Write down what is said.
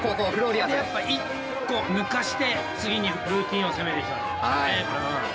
やっぱ１個抜かして次にルーティーンを攻めていきます。